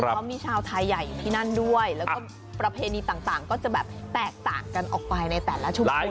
เขามีชาวไทยใหญ่อยู่ที่นั่นด้วยแล้วก็ประเพณีต่างก็จะแบบแตกต่างกันออกไปในแต่ละชุมชน